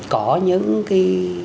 có những cái